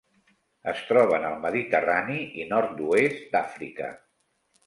Es troben al Mediterrani i nord-oest d'Àfrica.